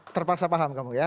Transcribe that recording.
terpaksa paham kamu ya